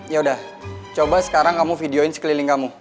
ya udah coba sekarang kamu videoin sekeliling kamu